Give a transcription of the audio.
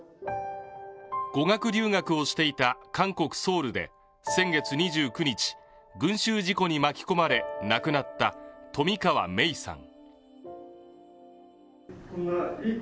語学留学をしていた韓国ソウルで先月２９日、群集事故に巻き込まれ亡くなった冨川芽生さん。